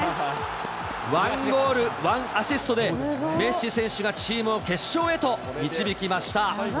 １ゴール１アシストで、メッシ選手がチームを決勝へと導きました。